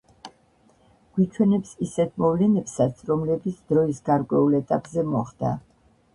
გვიჩვენებს ისეთ მოვლენებსაც, რომლებიც დროის გარკვეულ ეტაპზე მოხდა.